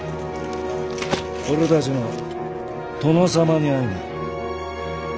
俺たちの殿様に会いに。